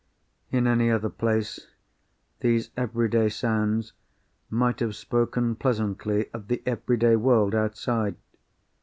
In any other place, these everyday sounds might have spoken pleasantly of the everyday world outside.